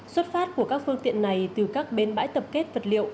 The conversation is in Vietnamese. xuất phát của các phương tiện này từ các bến bãi tập kết vật liệu